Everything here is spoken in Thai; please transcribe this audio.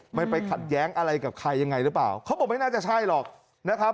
มันไปขัดแย้งอะไรกับใครยังไงหรือเปล่าเขาบอกไม่น่าจะใช่หรอกนะครับ